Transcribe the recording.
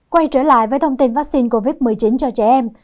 quay trở lại với thông tin vaccine covid một mươi chín cho trẻ em